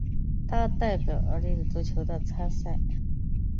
他也代表奥地利国家足球队参赛。